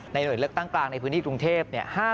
หน่วยเลือกตั้งกลางในพื้นที่กรุงเทพ